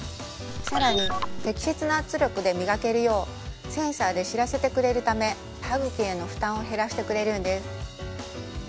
更に適切な圧力で磨けるようセンサーで知らせてくれるため歯茎への負担を減らしてくれるんです